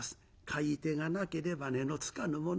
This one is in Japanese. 買い手がなければ値のつかぬもの。